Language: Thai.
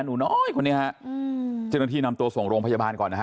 หนูน้อยคนนี้ฮะอืมเจ้าหน้าที่นำตัวส่งโรงพยาบาลก่อนนะฮะ